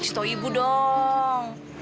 situ ibu dong